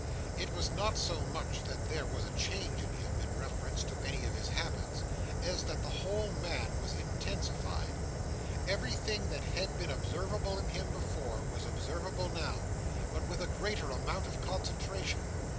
It was not so much that there was a change in him, in reference to any of his habits, as that the whole man was intensified. Everything that had been observable in him before, was observable now, but with a greater amount of concentration.